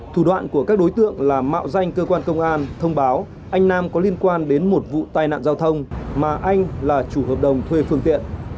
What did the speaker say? thủ đoạn của các đối tượng là mạo danh cơ quan công an thông báo anh nam có liên quan đến một vụ tai nạn giao thông mà anh là chủ hợp đồng thuê phương tiện